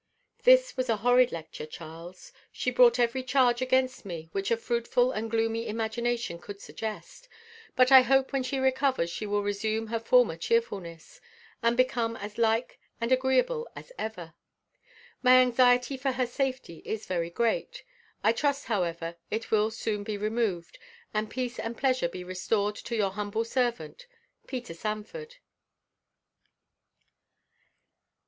This was a horrid lecture, Charles. She brought every charge against me which a fruitful and gloomy imagination could suggest. But I hope when she recovers she will resume her former cheerfulness, and become as kind and agreeable as ever. My anxiety for her safety is very great. I trust, however, it will soon be removed, and peace and pleasure be restored to your humble servant, PETER SANFORD.